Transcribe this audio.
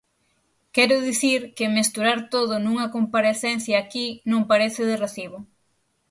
Quero dicir que mesturar todo nunha comparecencia aquí non parece de recibo.